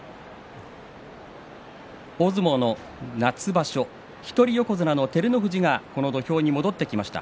大相撲の夏場所一人横綱の照ノ富士が土俵に戻ってきました。